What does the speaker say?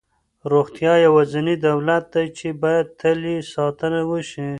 روغتیا یوازینی دولت دی چې باید تل یې ساتنه وشي.